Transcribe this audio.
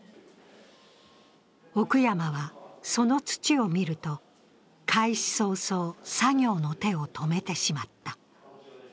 奥山は、その土を見ると開始早々、作業の手を止めてしまった。